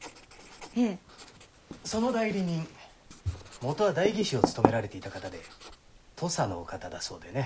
その代理人元は代議士を務められていた方で土佐のお方だそうでね。